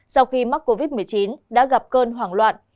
sau khi mắc covid một mươi chín đã gặp cơn hoảng loạn